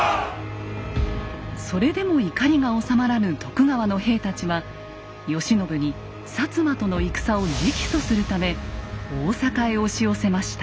それでも怒りがおさまらぬ徳川の兵たちは慶喜に摩との戦を直訴するため大坂へ押し寄せました。